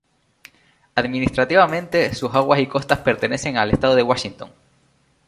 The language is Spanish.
Administrativamente, sus aguas y costas pertenecen al estado de Washington.